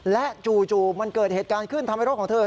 และจู่มันเกิดเหตุการณ์ขึ้นทำให้รถของเธอ